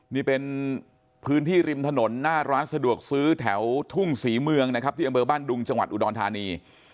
นี่เป็นพื้นที่ริมถนนหน้าร้านสะดวกซื้อแถวทุ่งศรีเมืองนะครับที่อำเภอบ้านดุงจังหวัดอุดรธานี